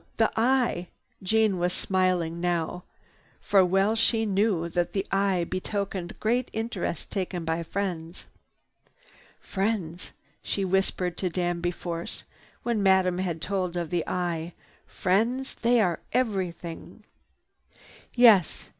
The Eye!" Jeanne was smiling now, for well she knew that the Eye betokened great interest taken by friends. "Friends," she whispered to Danby Force, when Madame had told of the Eye, "Friends, they are everything!" "Yes."